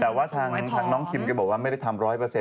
แต่ว่าทางน้องคิมก็บอกว่าไม่ได้ทำ๑๐๐